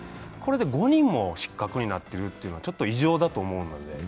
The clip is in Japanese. これで５人も失格になっているというのは異常だと思うので。